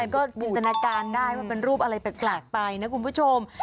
ก็บูรณการได้ว่าเป็นรูปอะไรแปลกไปนะคุณผู้ชม